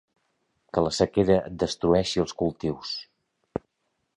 Que la sequera et destrueixi els cultius.